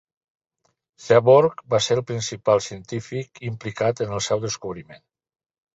Seaborg va ser el principal científic implicat en el seu descobriment.